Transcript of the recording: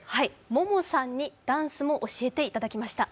モモさんにダンスも教えていただきました。